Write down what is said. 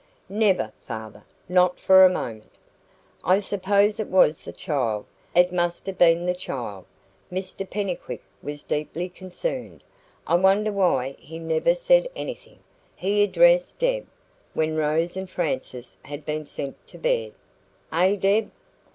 "Never, father. Not for a moment." "I suppose it was the child. It must have been the child." Mr Pennycuick was deeply concerned. "I wonder why he never said anything," he addressed Deb, when Rose and Frances had been sent to bed. "Eh, Deb?